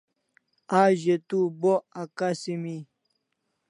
A ze tu bo akasimi